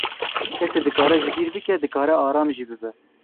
Kesê dikare ji bîr bike, dikare aram jî bibe.